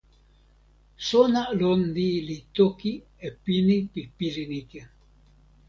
sona lon ni li toki e pini pi pilin ike.